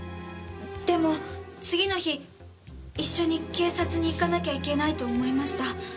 でも次の日一緒に警察に行かなきゃいけないと思いました。